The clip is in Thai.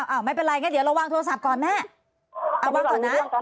ไม่เป็นไรงั้นเดี๋ยวระวังโทรศัพท์ก่อนแม่เอาวางก่อนนะ